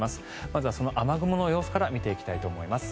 まずはその雨雲の様子から見ていきたいと思います。